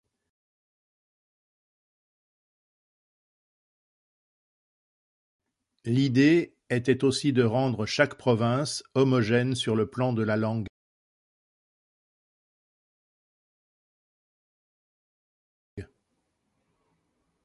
L'idée était aussi de rendre chaque province homogène sur le plan de la langue.